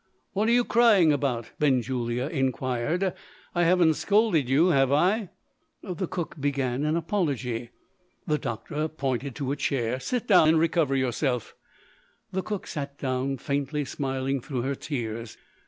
"What are you crying about?" Benjulia inquired; "I haven't scolded you, have I?" The cook began an apology; the doctor pointed to a chair. "Sit down, and recover yourself." The cook sat down, faintly smiling through her tears.